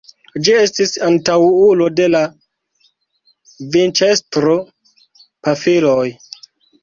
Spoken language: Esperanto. Ĝi estis antaŭulo de la vinĉestro-pafiloj.